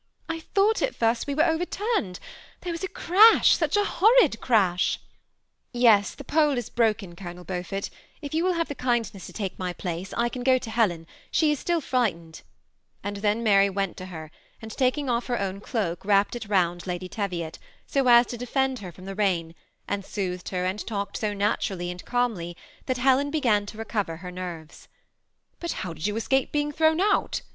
" I thought at first we were overturned; there was a crash, such a horrid crash" " Yes, the pole is broken. Colonel Beaufort ; if you will have the kindness to take my place, I can go to Helen ; she is still frightened ;" and then Mary went to her, and taking off her own cloak wrapped it round Lady Teviot, so as to defend her &om the rain, and soothed her, and talked so naturally and calmly that Helen began to recover her nerves. 272 THB tasmrATTACBmi ooxtplb. ^ But how did 70a escape being thrown oat